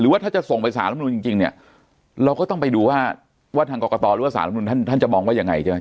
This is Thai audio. ว่าถ้าจะส่งไปสารรัฐมนุนจริงเนี่ยเราก็ต้องไปดูว่าทางกรกตหรือว่าสารรัฐมนุนท่านจะมองว่ายังไงใช่ไหม